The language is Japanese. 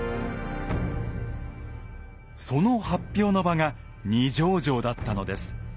その発表の場が二条城だったのです。